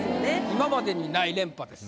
今までにない連覇です。